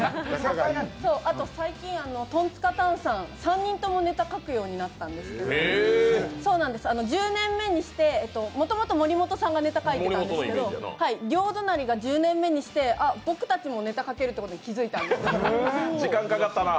あと最近、トンツカタンさん３人ともネタ書くようになったんですけど１０年目にして、もともと森本さんがネタが書いてたんですけど、両隣が１０年目にして僕たちもネタかけるということに時間かかったな。